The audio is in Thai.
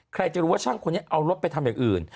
ใครจะรู้ว่าช่างคนนี้เอารถไปทำอย่างอื่น